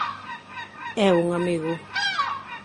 É un amigo.